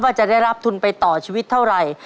ว่าจะได้รับทุนไปต่อชีวิตเท่าไหร่